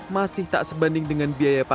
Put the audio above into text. masih tak sebanding dengan harga yang diperlukan